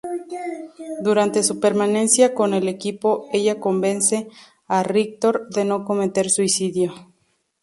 Durante su permanencia con el equipo, ella convence a Rictor de no cometer suicidio.